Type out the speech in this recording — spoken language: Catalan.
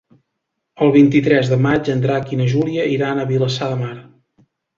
El vint-i-tres de maig en Drac i na Júlia iran a Vilassar de Mar.